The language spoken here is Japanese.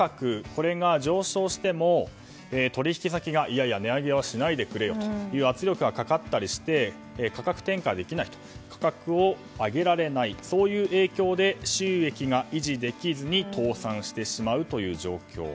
これが上昇しても、取引先が値上げはしないでくれよと圧力がかかったりして価格転嫁できず価格を上げられないという影響で収益が維持できずに倒産してしまうという状況。